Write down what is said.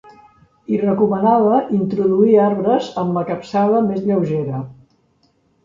Hi recomanava introduir arbres amb la capçada més lleugera.